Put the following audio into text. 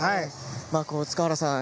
塚原さん